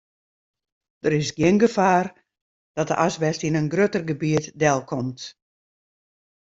Der is gjin gefaar dat de asbest yn in grutter gebiet delkomt.